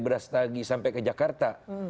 berastagi sampai ke jakarta